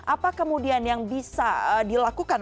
apa kemudian yang bisa dilakukan